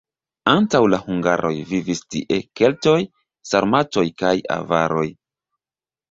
Antaŭ la hungaroj vivis tie keltoj, sarmatoj kaj avaroj.